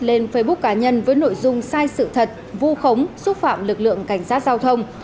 lên facebook cá nhân với nội dung sai sự thật vu khống xúc phạm lực lượng cảnh sát giao thông